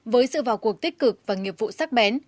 với sự vào cuộc tích cực và nghiệp vụ sắc bén